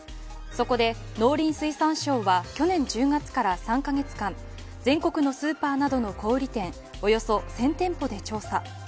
そこで、農林水産省は去年１０月から３カ月間全国のスーパーなどの小売店およそ１０００店舗で調査。